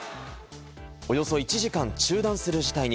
およそ１時間中断する事態に。